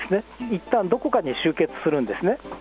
いったんどこかに集結するんですね。